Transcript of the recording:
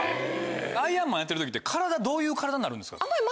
アイアンマンやってる時って体どういう体になるんですか？